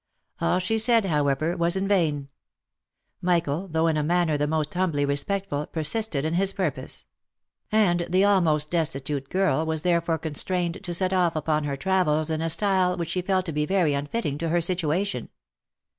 All she said, how ever, was in vain. Michael, though in a manner the most humbly respectful, persisted in his purpose ; and the almost destitute girl was therefore constrained to set off upon her travels in a style which she OF MICHAEL ARMSTRONG. 373 felt to be very unfitting to her situation.